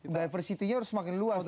diversitinya harus semakin luas tuh ya